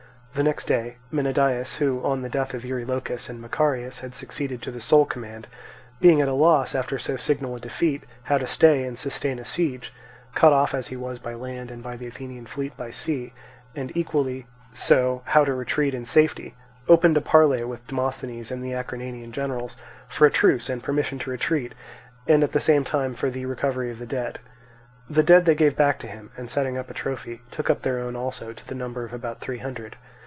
The next day Menedaius, who on the death of Eurylochus and Macarius had succeeded to the sole command, being at a loss after so signal a defeat how to stay and sustain a siege, cut off as he was by land and by the Athenian fleet by sea, and equally so how to retreat in safety, opened a parley with Demosthenes and the Acarnanian generals for a truce and permission to retreat, and at the same time for the recovery of the dead. The dead they gave back to him, and setting up a trophy took up their own also to the number of about three hundred.